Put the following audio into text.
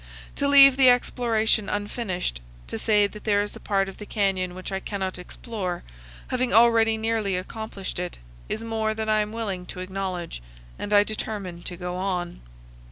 To leave the exploration unfinished, to say that there is a part of the canyon which I cannot explore, having already nearly accomplished it, is more than I am willing to acknowledge, and I determine to go on.